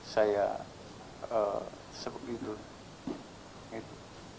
saya seperti itu